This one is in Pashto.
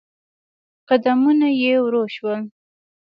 قدمونه يې ورو شول.